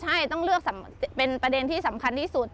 ใช่ต้องเลือกเป็นประเด็นที่สำคัญที่สุด